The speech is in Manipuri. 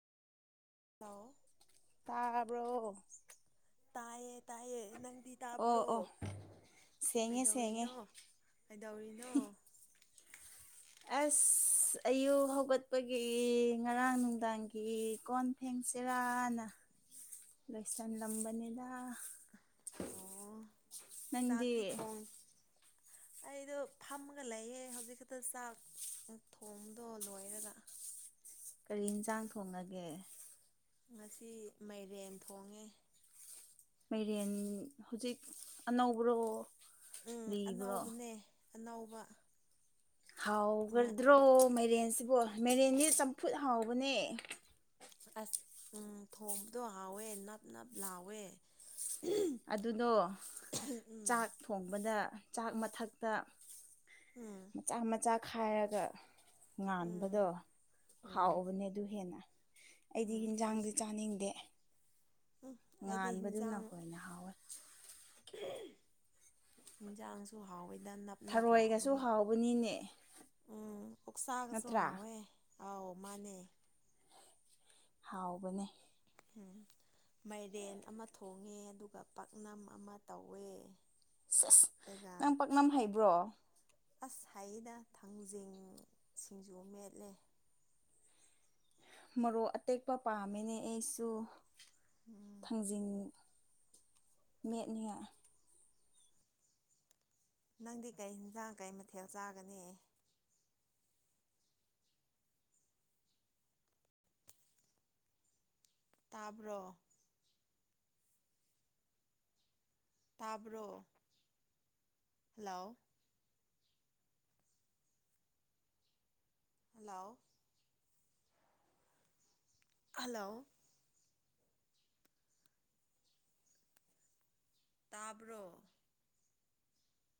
ꯍꯜꯂꯑꯣ ꯇꯥꯕ꯭ꯔꯣ ꯇꯥꯏꯌꯦ ꯇꯥꯏꯌꯦ ꯅꯪꯗꯤ ꯑꯣ ꯇꯥꯕ꯭ꯔꯣ ꯑꯣ ꯁꯦꯡꯉꯦ ꯁꯦꯡꯉꯦ ꯀꯩꯗꯧꯔꯤꯅꯣ ꯀꯩꯗꯧꯔꯤꯅꯣ ꯑꯁ ꯑꯁ ꯑꯌꯨꯛ ꯍꯧꯒꯠꯄꯒꯤ ꯉꯔꯥꯡ ꯅꯨꯡꯗꯥꯡꯒꯤ ꯀꯣꯟ ꯐꯦꯡꯆꯔꯥꯅ ꯔꯁꯇ ꯂꯝꯝꯕꯅꯤꯗ ꯑꯣ ꯆꯥꯛꯇꯤ ꯊꯣꯡ ꯑꯩꯗꯣ ꯐꯝꯃꯒ ꯂꯩꯌꯦ ꯍꯧꯖꯤꯛ ꯈꯛꯇ ꯆꯥꯛ ꯊꯣꯗꯣ ꯂꯣꯏꯔꯒ ꯀꯔꯤ ꯌꯦꯟꯁꯥꯡ ꯊꯣꯡꯉꯒꯦ ꯉꯁꯤ ꯃꯥꯏꯔꯦꯟ ꯊꯣꯡꯉꯦ ꯃꯦꯔꯤꯦꯟ ꯍꯧꯖꯤꯛ ꯑꯅꯧꯕ꯭ꯔꯣ ꯎꯝ ꯂꯤꯕ꯭ꯔꯣ ꯑꯅꯧꯕꯅꯦ ꯑꯅꯧꯕ ꯍꯥꯎꯒꯗ꯭ꯔꯣ ꯃꯦꯔꯦꯟꯁꯤꯕꯨ ꯃꯦꯔꯦꯟꯁ ꯆꯝꯐꯨꯠ ꯍꯥꯎꯕꯅꯦ ꯑꯁ ꯎ ꯊꯣꯡꯕꯗꯣ ꯍꯥꯎꯋꯦ ꯅꯞ ꯅꯞ ꯂꯥꯎꯋꯦ ꯑꯗꯨꯗꯣ ꯆꯥꯛ ꯎꯝ ꯊꯣꯡꯕꯗ ꯆꯥꯛ ꯃꯊꯛꯇ ꯎꯝ ꯃꯆꯥ ꯃꯆꯥ ꯈꯥꯏꯔꯒ ꯎꯝ ꯉꯥꯟꯕꯗꯣ ꯎꯝ ꯍꯥꯎꯕꯅꯦ ꯑꯗꯨ ꯍꯦꯟꯅ ꯑꯩꯗꯤ ꯎꯝ ꯌꯦꯟꯁꯥꯡꯗꯤ ꯑꯗꯨꯁꯨ ꯆꯥꯅꯤꯡꯗꯦ ꯎꯝ ꯑꯩꯗꯤ ꯉꯥꯟꯕꯗꯨ ꯅꯈꯣꯏꯅ ꯏꯟꯁꯥꯡꯁꯨ ꯍꯥꯎꯋꯦ ꯗ ꯅꯞ ꯅꯞ ꯊꯔꯣꯏꯒꯁꯨ ꯂꯥꯎꯕꯒꯦ ꯍꯥꯎꯕꯅꯤꯅꯦ ꯎꯝ ꯑꯣꯛꯁꯥꯒꯁꯨ ꯅꯠꯇ꯭ꯔꯥ ꯍꯥꯎꯋꯦ ꯑꯥꯎ ꯃꯥꯅꯦ ꯍꯥꯎꯕꯅꯦ ꯎꯝ ꯃꯥꯏꯔꯦꯟ ꯑꯃ ꯊꯣꯡꯉꯦ ꯑꯗꯨꯒ ꯄꯥꯛꯅꯝ ꯑꯃ ꯇꯧꯋꯦ ꯁꯁ ꯑꯗꯨꯒ ꯅꯪ ꯄꯥꯛꯅꯝ ꯍꯩꯕ꯭ꯔꯣ ꯑꯁ ꯍꯥꯏꯌꯦꯗ ꯊꯥꯡꯖꯤꯡ ꯁꯤꯡꯖꯨ ꯃꯦꯠꯂꯦ ꯃꯔꯣꯛ ꯑꯇꯦꯛꯄ ꯄꯥꯝꯃꯤꯅꯦ ꯑꯩꯁꯨ ꯎꯝ ꯊꯥꯡꯖꯤꯟ ꯃꯅꯌꯥ ꯅꯪꯗꯤ ꯀꯩ ꯌꯦꯟꯁꯥꯡ ꯀꯩ ꯃꯊꯦꯜ ꯆꯥꯒꯅꯤ ꯇꯥꯕ꯭ꯔꯣ ꯇꯥꯕ꯭ꯔꯣ ꯍꯜꯂꯣ ꯍꯜꯂꯣ ꯍꯜꯂꯣ ꯇꯥꯕ꯭ꯔꯣ